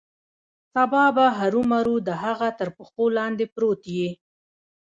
سبا به هرومرو د هغه تر پښو لاندې پروت یې.